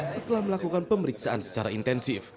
setelah melakukan pemeriksaan secara intensif